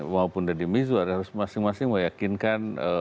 walaupun deddy miswar harus masing masing meyakinkan